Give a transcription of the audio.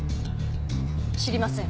知りません。